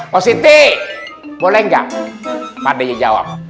positi boleh gak pak deknya jawab